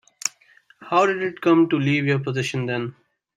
How did it come to leave your possession then?